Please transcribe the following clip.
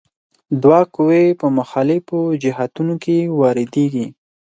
دوه قوې په مخالفو جهتونو کې واردیږي.